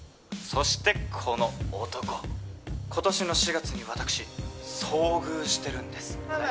そしてこの男今年の４月に私遭遇してるんです４